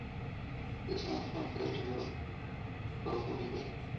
Es un afluente del Río Jaguaribe.